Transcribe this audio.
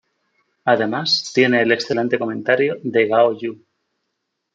Además, tiene el excelente comentario de Gao You.